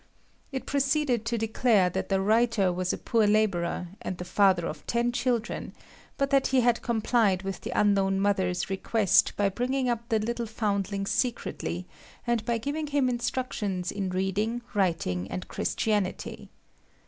It proceeded to declare that the writer was a poor labourer, and the father of ten children; but that he had complied with the unknown mother's request by bringing up the little foundling secretly, and by giving him instructions in reading, writing, and Christianity.